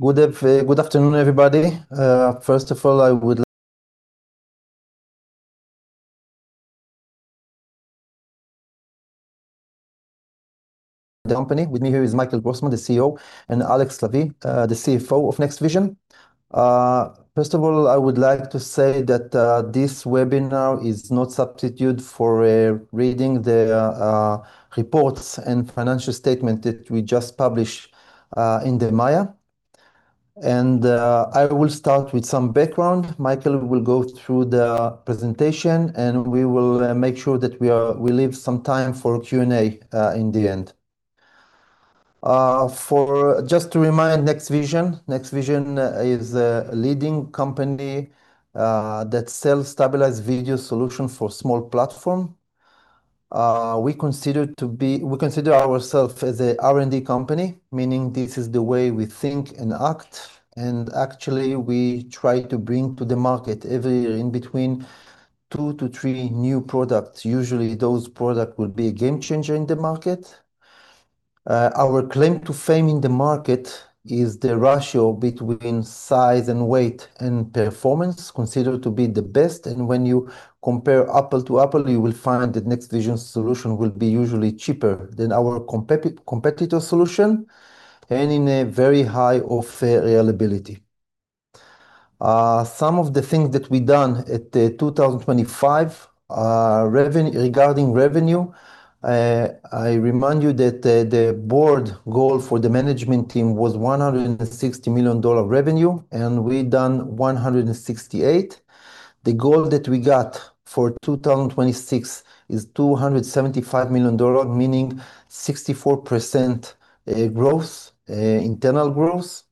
Good afternoon, everybody. With me here is Michael Grosman, the CEO, and Alex Lavi, the CFO of NextVision. First of all, I would like to say that this webinar is no substitute for reading the reports and financial statement that we just published in the MAYA. I will start with some background. Michael will go through the presentation, and we will make sure that we leave some time for Q&A in the end. Just to remind, NextVision is a leading company that sells stabilized video solution for small platform. We consider ourselves as an R&D company, meaning this is the way we think and act, and actually, we try to bring to the market every year in between two to three new products. Usually, those products would be a game changer in the market. Our claim to fame in the market is the ratio between size and weight and performance considered to be the best. When you compare apples to apples, you will find that NextVision solution will be usually cheaper than our competitor solution and in a very high level of reliability. Some of the things that we done in 2025 regarding revenue, I remind you that the board goal for the management team was ILS 160 million revenue, and we done 168 million. The goal that we got for 2026 is ILS 275 million, meaning 64% growth, internal growth.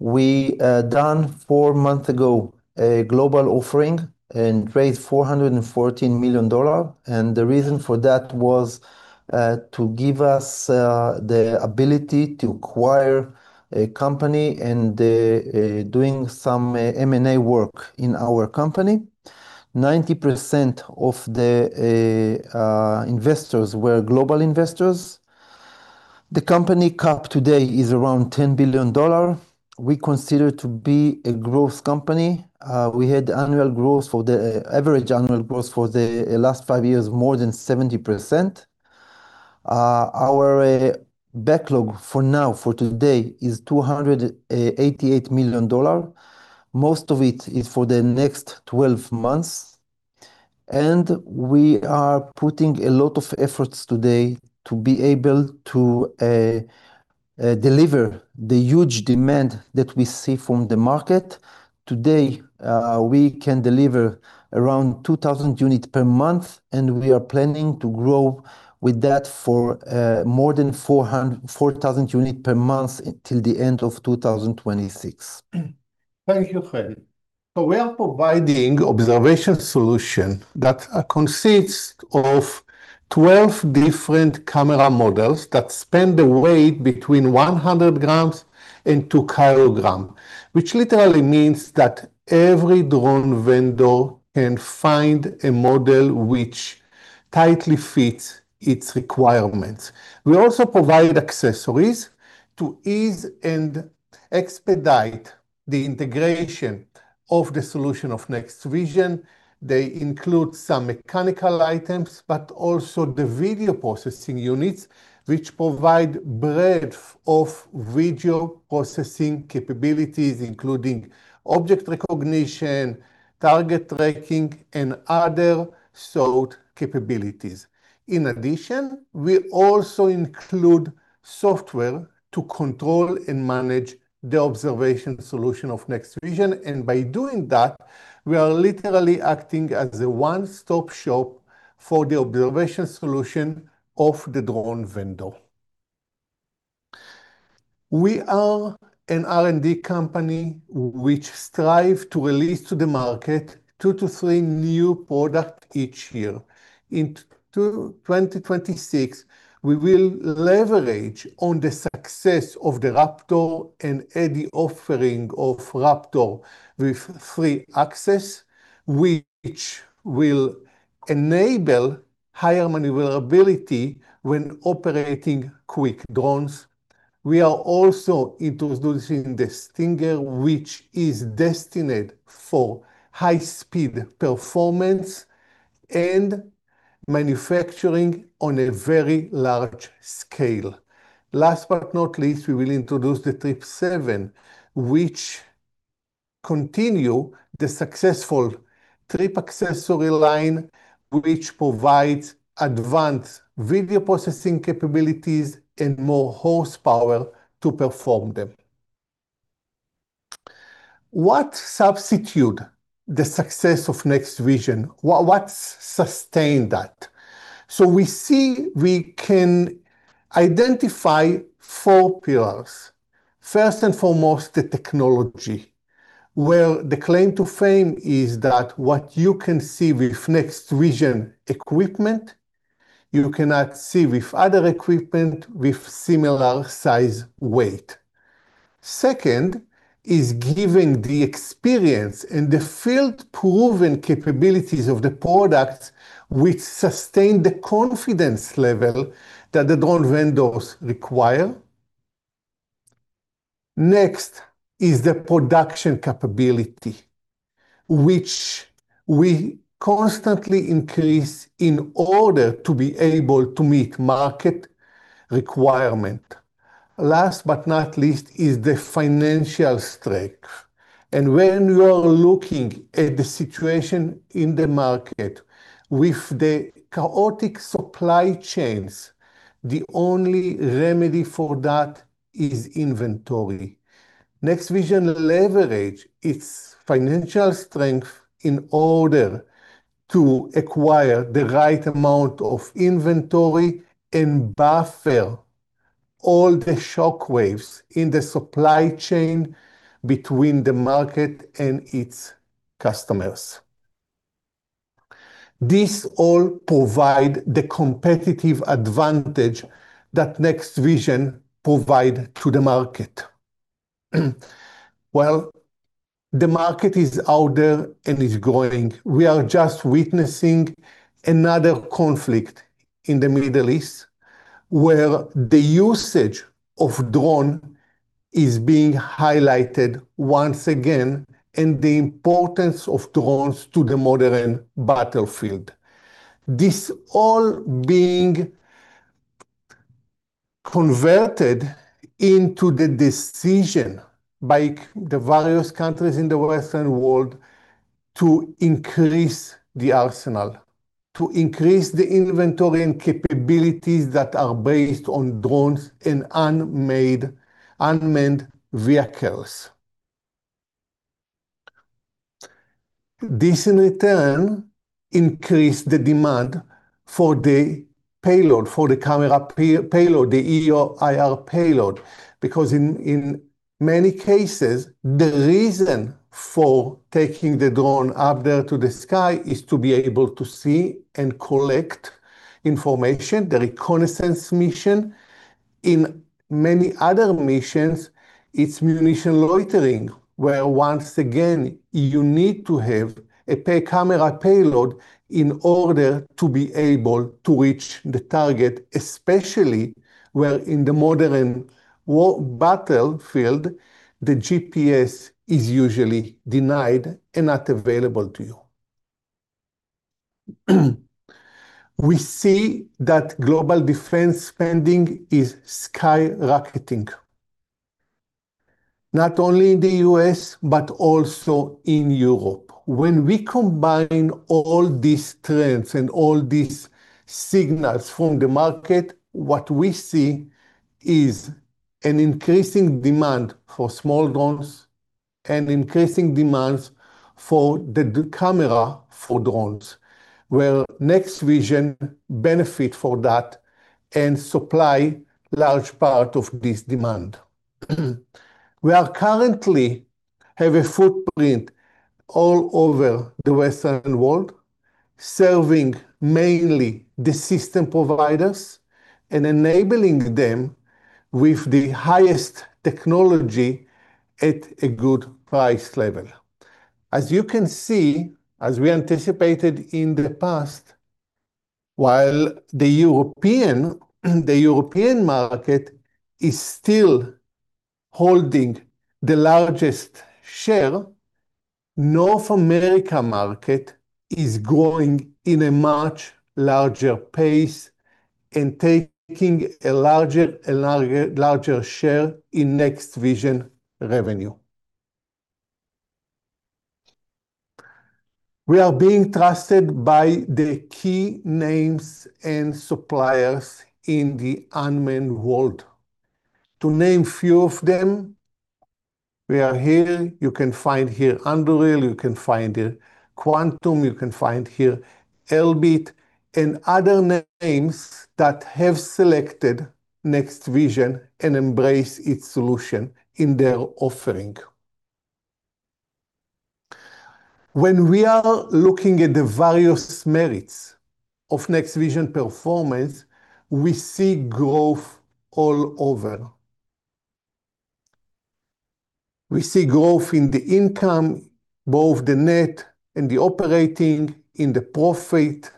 We did four months ago a global offering and raised ILS 414 million, and the reason for that was to give us the ability to acquire a company and do some M&A work in our company. Ninety percent of the investors were global investors. The company cap today is around ILS 10 billion. We consider to be a growth company. We had average annual growth for the last five years more than 70%. Our backlog for now, for today, is ILS 288 million. Most of it is for the next 12 months. We are putting a lot of efforts today to be able to deliver the huge demand that we see from the market. Today, we can deliver around 2,000 units per month, and we are planning to grow with that for more than 4,000 units per month until the end of 2026. Thank you, Chen. We are providing observation solution that consists of 12 different camera models that span the weight between 100 gm and 2 kg, which literally means that every drone vendor can find a model which tightly fits its requirements. We also provide accessories to ease and expedite the integration of the solution of NextVision. They include some mechanical items, but also the video processing units, which provide breadth of video processing capabilities, including object recognition, target tracking, and other sought capabilities. In addition, we also include software to control and manage the observation solution of NextVision. By doing that, we are literally acting as a one-stop shop for the observation solution of the drone vendor. We are an R&D company which strive to release to the market two to three new product each year. In 2026, we will leverage on the success of the RAPTOR and any offering of RAPTOR with three-axis, which will enable higher maneuverability when operating quick drones. We are also introducing the Stinger, which is destined for high speed performance and manufacturing on a very large scale. Last but not least, we will introduce the TRIP-7, which continue the successful TRIP accessory line, which provides advanced video processing capabilities and more horsepower to perform them. What substitute the success of NextVision? What sustained that? We see we can identify four pillars. First and foremost, the technology, where the claim to fame is that what you can see with NextVision equipment, you cannot see with other equipment with similar size and weight. Second is giving the experience and the field proven capabilities of the product which sustain the confidence level that the drone vendors require. Next is the production capability, which we constantly increase in order to be able to meet market requirement. Last but not least is the financial strength. When you are looking at the situation in the market with the chaotic supply chains, the only remedy for that is inventory. NextVision leverage its financial strength in order to acquire the right amount of inventory and buffer all the shock waves in the supply chain between the market and its customers. This all provide the competitive advantage that NextVision provide to the market. Well, the market is out there and is growing. We are just witnessing another conflict in the Middle East, where the usage of drone is being highlighted once again, and the importance of drones to the modern battlefield. This all being converted into the decision by the various countries in the Western world to increase the arsenal, to increase the inventory and capabilities that are based on drones and unmanned vehicles. This in return increase the demand for the payload, for the camera payload, the EO/IR payload, because in many cases, the reason for taking the drone up there to the sky is to be able to see and collect information, the reconnaissance mission. In many other missions, it's loitering munition, where once again you need to have a camera payload in order to be able to reach the target, especially where in the modern battlefield, the GPS is usually denied and not available to you. We see that global defense spending is skyrocketing, not only in the U.S., but also in Europe. When we combine all these trends and all these signals from the market, what we see is an increasing demand for small drones and increasing demands for the camera for drones, where NextVision benefits from that and supplies a large part of this demand. We currently have a footprint all over the Western world, serving mainly the system providers and enabling them with the highest technology at a good price level. As you can see, as we anticipated in the past, while the European market is still holding the largest share, North America market is growing at a much larger pace and taking a larger share in NextVision revenue. We are being trusted by the key names and suppliers in the unmanned world. To name a few of them, we are here. You can find here Anduril, you can find here Quantum-Systems, you can find here Elbit and other names that have selected NextVision and embrace its solution in their offering. When we are looking at the various merits of NextVision performance, we see growth all over. We see growth in the income, both the net and the operating, in the profit,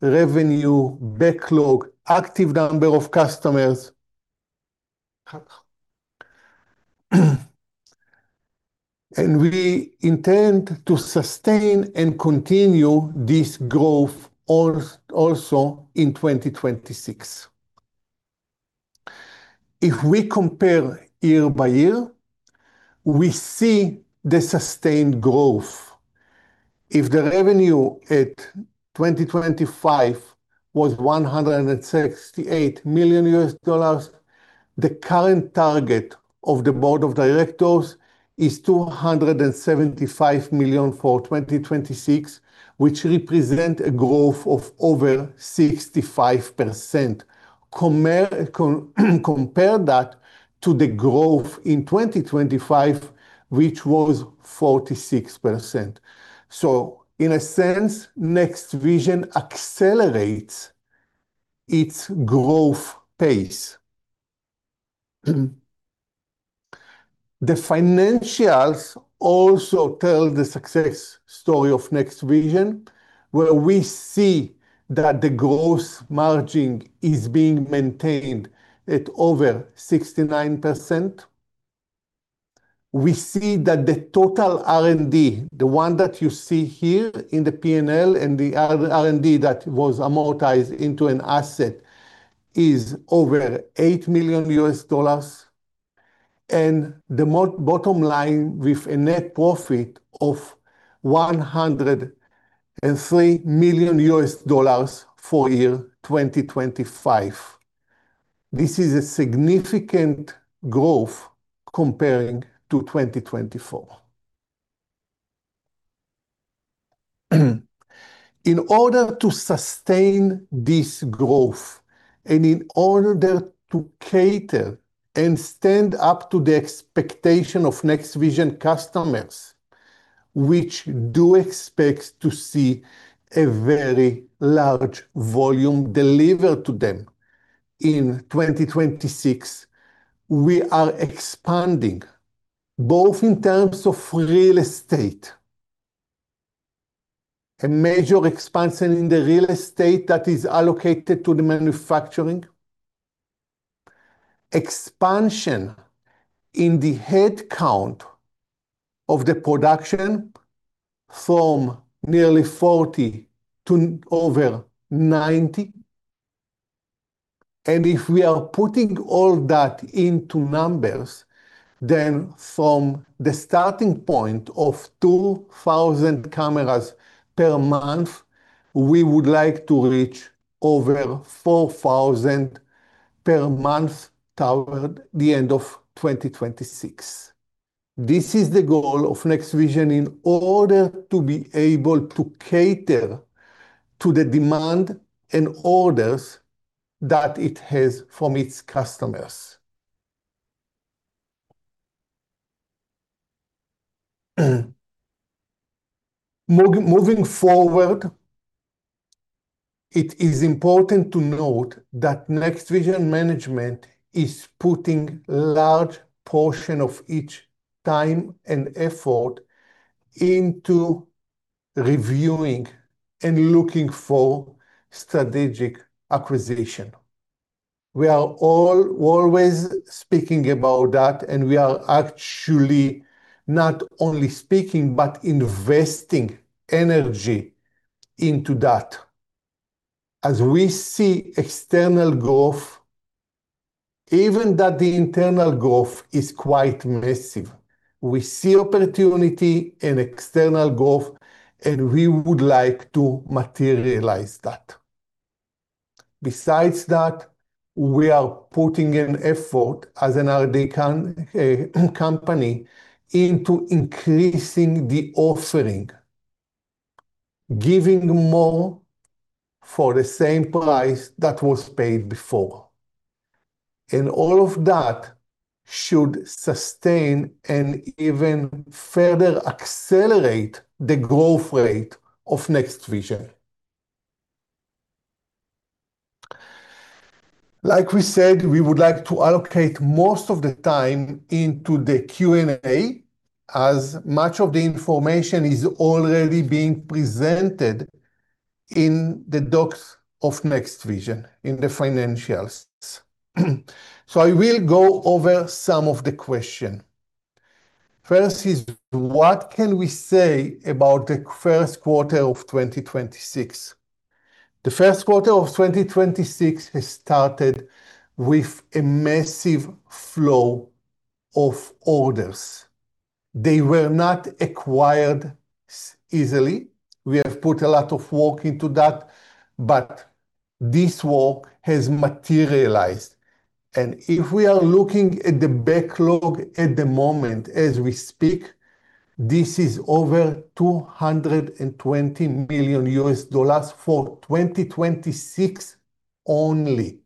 revenue, backlog, active number of customers. We intend to sustain and continue this growth also in 2026. If we compare year by year, we see the sustained growth. If the revenue at 2025 was $168 million, the current target of the board of directors is $275 million for 2026, which represent a growth of over 65%. Compare that to the growth in 2025, which was 46%. In a sense, NextVision accelerates its growth pace. The financials also tell the success story of NextVision, where we see that the gross margin is being maintained at over 69%. We see that the total R&D, the one that you see here in the P&L, and the R&D that was amortized into an asset, is over $8 million. The bottom line, with a net profit of $103 million for year 2025. This is a significant growth compared to 2024. In order to sustain this growth, and in order to cater and stand up to the expectation of NextVision customers, which do expect to see a very large volume delivered to them in 2026, we are expanding, both in terms of real estate, a major expansion in the real estate that is allocated to the manufacturing. Expansion in the headcount of the production from nearly 40 to over 90. If we are putting all that into numbers, then from the starting point of 2,000 cameras per month, we would like to reach over 4,000 per month toward the end of 2026. This is the goal of NextVision in order to be able to cater to the demand and orders that it has from its customers. Moving forward, it is important to note that NextVision management is putting large portion of each time and effort into reviewing and looking for strategic acquisition. We are all always speaking about that, and we are actually not only speaking, but investing energy into that. We see external growth, even though the internal growth is quite massive. We see opportunity in external growth, and we would like to materialize that. Besides that, we are putting in effort as an R&D company into increasing the offering, giving more for the same price that was paid before. All of that should sustain and even further accelerate the growth rate of NextVision. Like we said, we would like to allocate most of the time into the Q&A, as much of the information is already being presented in the docs of NextVision, in the financials. I will go over some of the questions. First is, what can we say about the first quarter of 2026? The first quarter of 2026 has started with a massive flow of orders. They were not acquired easily. We have put a lot of work into that, but this work has materialized. If we are looking at the backlog at the moment as we speak, this is over $220 million for 2026 only,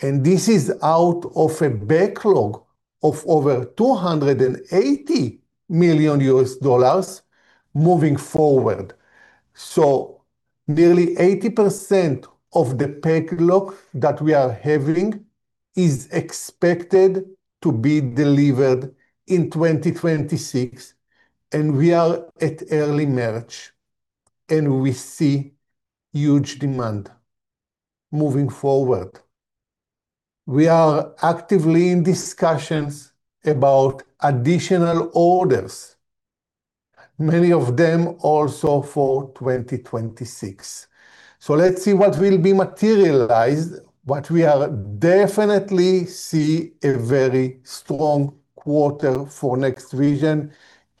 and this is out of a backlog of over $280 million moving forward. Nearly 80% of the backlog that we are having is expected to be delivered in 2026, and we are at early March, and we see huge demand moving forward. We are actively in discussions about additional orders, many of them also for 2026. Let's see what will be materialized, but we are definitely see a very strong quarter for NextVision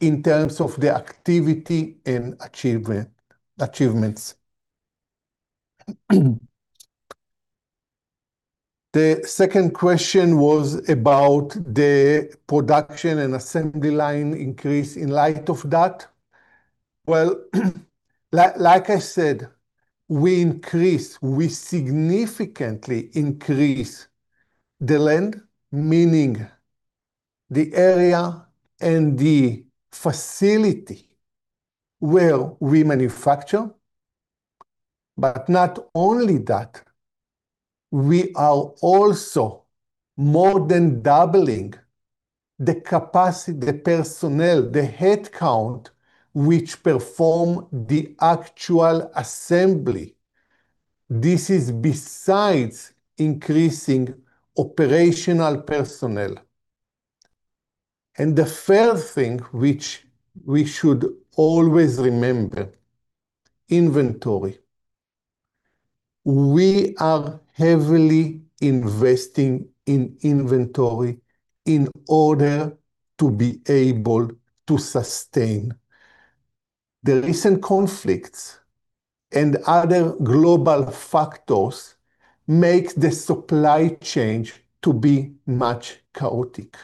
in terms of the activity and achievements. The second question was about the production and assembly line increase in light of that. Well, like I said, we significantly increased the land, meaning the area and the facility where we manufacture, but not only that, we are also more than doubling the capacity, the personnel, the headcount which perform the actual assembly. This is besides increasing operational personnel. The third thing which we should always remember, inventory. We are heavily investing in inventory in order to be able to sustain. The recent conflicts and other global factors make the supply chain to be much chaotic,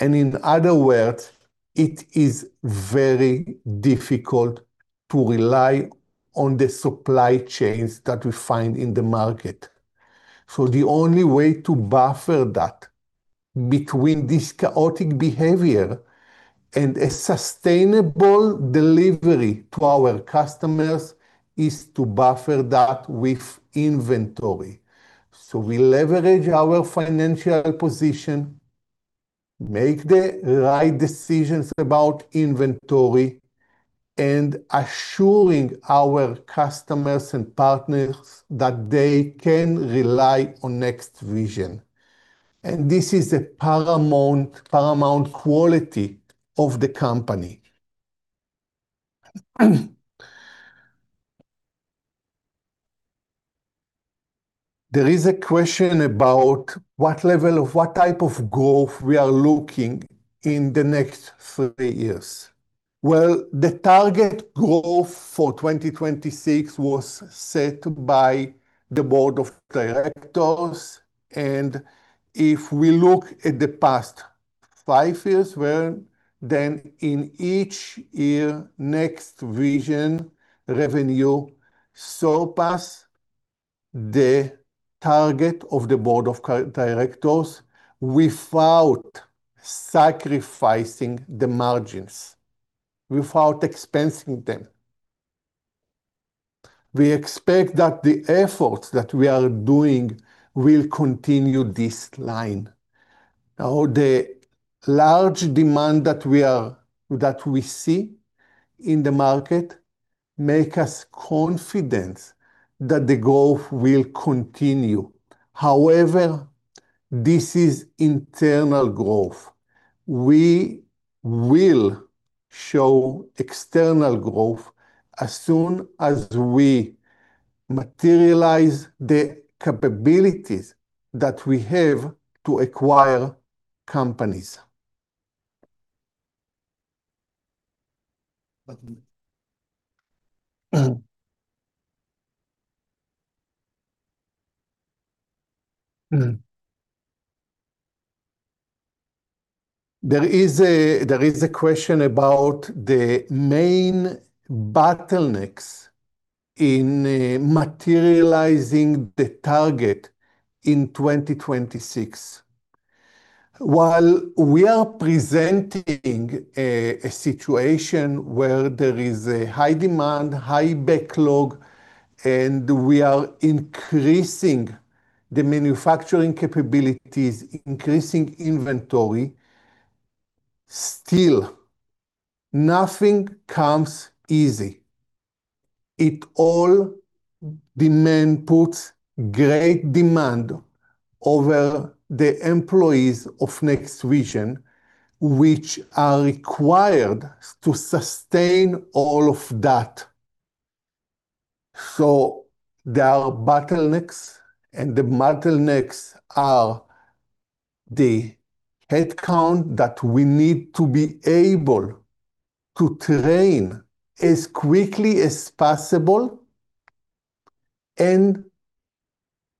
and in other words, it is very difficult to rely on the supply chains that we find in the market. The only way to buffer that between this chaotic behavior and a sustainable delivery to our customers is to buffer that with inventory. We leverage our financial position, make the right decisions about inventory, and assuring our customers and partners that they can rely on NextVision, and this is a paramount quality of the company. There is a question about what type of growth we are looking in the next three years. Well, the target growth for 2026 was set by the board of directors, and if we look at the past five years, well, then in each year, NextVision revenue surpass the target of the board of current directors without sacrificing the margins, without expensing them. We expect that the efforts that we are doing will continue this line. Now, the large demand that we see in the market makes us confident that the growth will continue. However, this is internal growth. We will show external growth as soon as we materialize the capabilities that we have to acquire companies. There is a question about the main bottlenecks in materializing the target in 2026. While we are presenting a situation where there is a high demand, high backlog, and we are increasing the manufacturing capabilities, increasing inventory, still nothing comes easy. It all puts great demand over the employees of NextVision, which are required to sustain all of that, so there are bottlenecks, and the bottlenecks are the headcount that we need to be able to train as quickly as possible and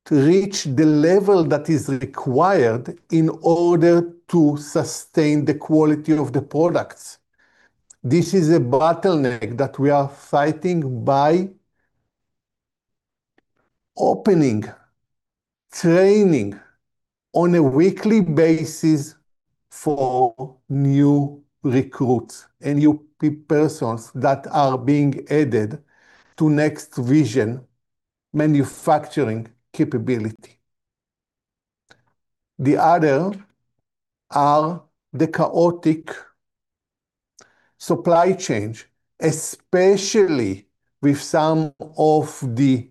to reach the level that is required in order to sustain the quality of the products. This is a bottleneck that we are fighting by opening, training on a weekly basis for new recruits and new persons that are being added to NextVision manufacturing capability. The other are the chaotic supply chains, especially with some of the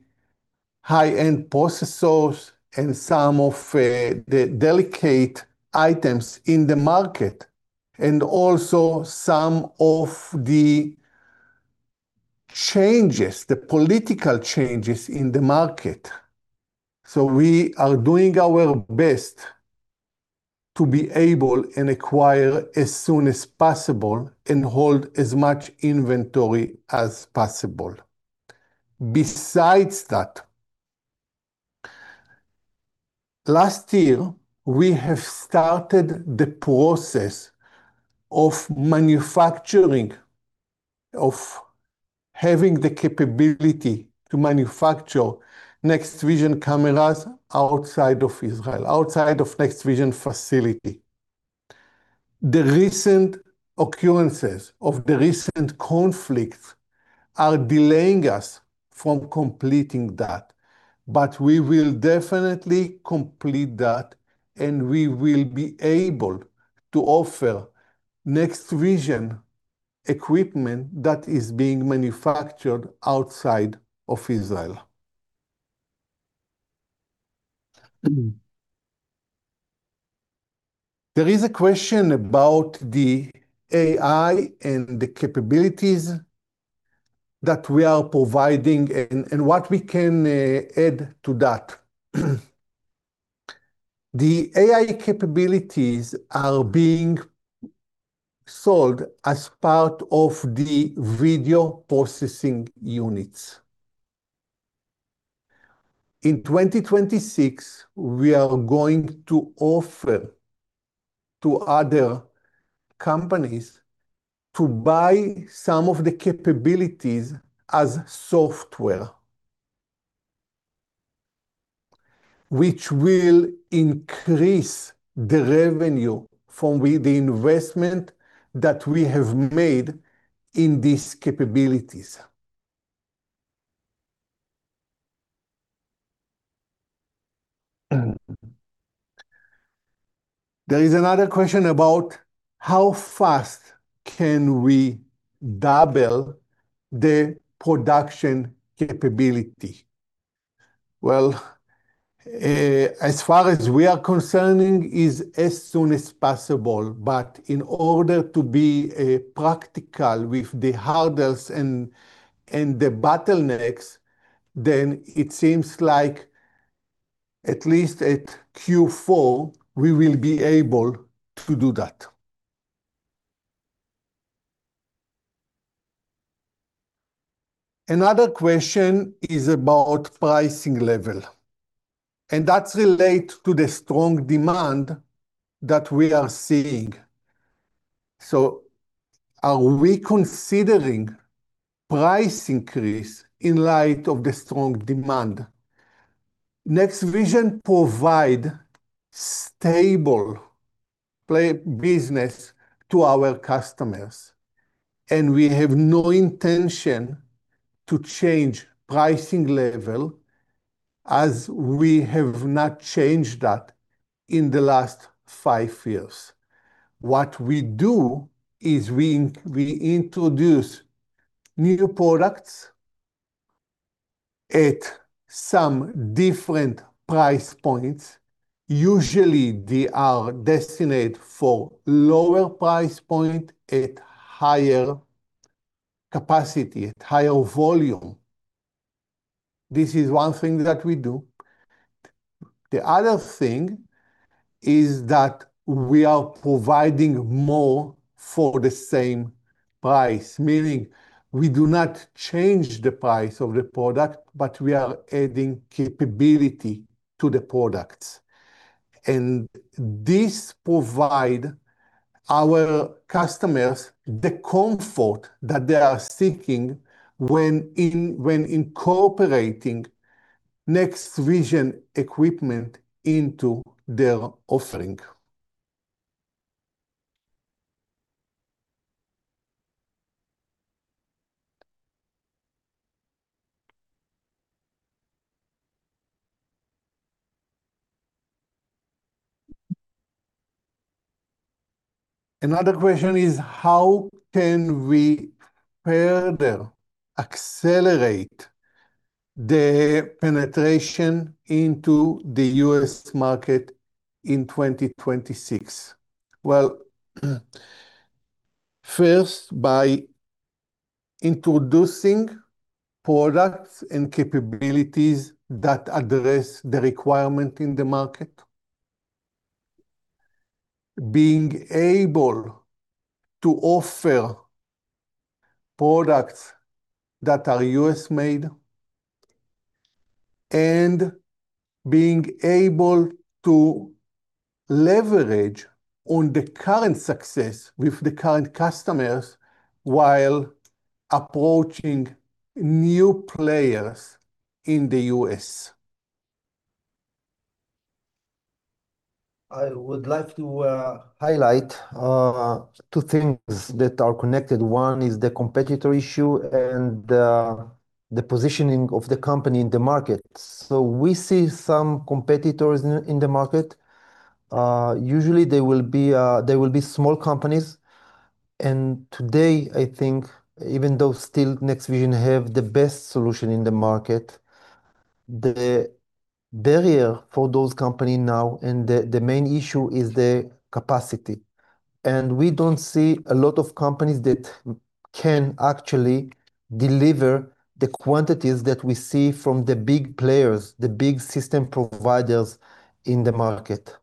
high-end processors and some of the delicate items in the market, and also some of the changes, the political changes in the market. We are doing our best to be able and acquire as soon as possible and hold as much inventory as possible. Besides that, last year we have started the process of having the capability to manufacture NextVision cameras outside of Israel, outside of NextVision facility. The recent occurrences of the recent conflict are delaying us from completing that, but we will definitely complete that, and we will be able to offer NextVision equipment that is being manufactured outside of Israel. There is a question about the AI and the capabilities that we are providing and what we can add to that. The AI capabilities are being sold as part of the video processing units. In 2026, we are going to offer to other companies to buy some of the capabilities as software, which will increase the revenue from the investment that we have made in these capabilities. There is another question about how fast can we double the production capability. Well, as far as we are concerned, it is as soon as possible. In order to be practical with the hurdles and the bottlenecks, then it seems like at least at Q4 we will be able to do that. Another question is about pricing level, and that's related to the strong demand that we are seeing. Are we considering price increase in light of the strong demand? NextVision provides stabilized systems to our customers, and we have no intention to change pricing level, as we have not changed that in the last five years. What we do is we introduce new products at some different price points. Usually they are destined for lower price point at higher capacity, at higher volume. This is one thing that we do. The other thing is that we are providing more for the same price, meaning we do not change the price of the product, but we are adding capability to the products. This provides our customers the comfort that they are seeking when incorporating NextVision equipment into their offering. Another question is, how can we further accelerate the penetration into the U.S. market in 2026? Well, first, by introducing products and capabilities that address the requirement in the market. Being able to offer products that are U.S. made, and being able to leverage on the current success with the current customers while approaching new players in the U.S. I would like to highlight two things that are connected. One is the competitor issue and the positioning of the company in the market. We see some competitors in the market. Usually they will be small companies, and today I think even though still NextVision have the best solution in the market, the barrier for those company now and the main issue is the capacity, and we don't see a lot of companies that can actually deliver the quantities that we see from the big players, the big system providers in the market.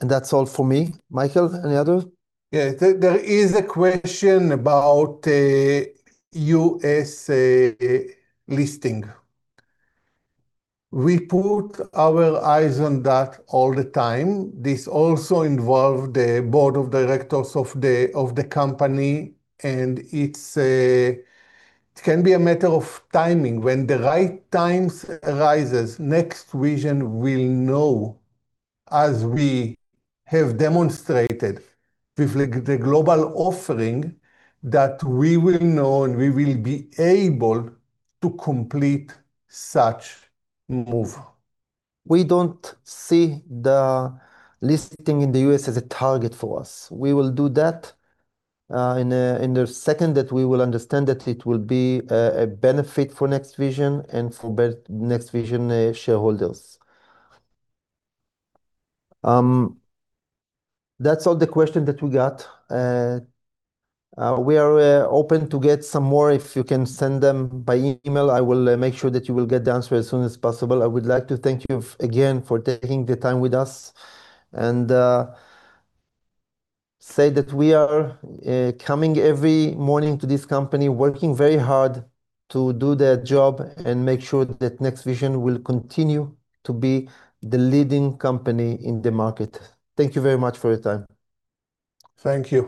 That's all for me. Michael, any other? Yeah. There is a question about a U.S. listing. We put our eyes on that all the time. This also involves the board of directors of the company, and it can be a matter of timing. When the right time arises, NextVision will know, as we have demonstrated with the global offering, that we will know, and we will be able to complete such move. We don't see the listing in the U.S. as a target for us. We will do that in a second that we will understand that it will be a benefit for NextVision and for NextVision shareholders. That's all the questions that we got. We are open to get some more. If you can send them by email, I will make sure that you will get the answer as soon as possible. I would like to thank you again for taking the time with us and say that we are coming every morning to this company, working very hard to do the job and make sure that NextVision will continue to be the leading company in the market. Thank you very much for your time. Thank you.